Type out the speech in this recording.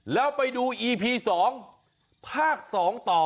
แล้วไปดูอีพี๒ภาค๒ต่อ